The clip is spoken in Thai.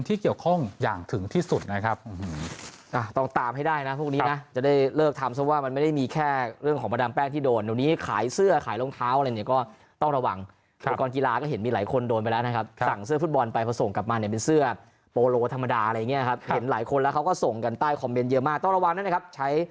ที่เกี่ยวข้องอย่างถึงที่สุดนะครับ